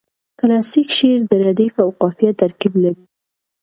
کلاسیک شعر د ردیف او قافیه ترکیب لري.